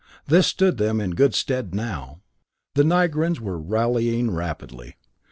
This stood them in good stead now. The Nigrans were rallying rapidly.